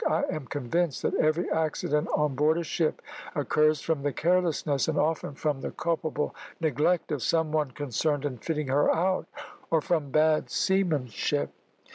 "I am convinced that every accident on board a ship occurs from the carelessness, and often from the culpable neglect, of some one concerned in fitting her out, or from bad seamanship."